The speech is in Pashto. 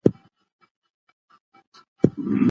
ځوانان باید د علم او زده کړې په اړه متعهد وي.